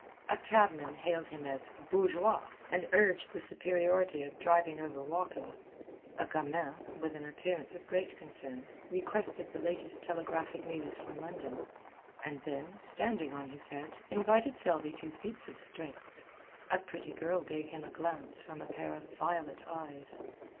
A cabman hailed him as "bourgeois," and urged the superiority of driving over walking. A gamin, with an appearance of great concern, requested the latest telegraphic news from London, and then, standing on his head, invited Selby to feats of strength. A pretty girl gave him a glance from a pair of violet eyes.